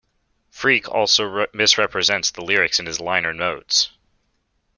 Fricke also mis-represents the lyrics in his liner notes.